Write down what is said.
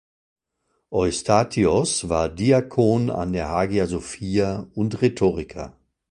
Eustathios war Diakon an der Hagia Sophia und Rhetoriker.